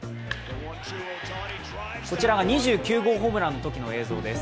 こちらが２９号ホームランのときの映像です。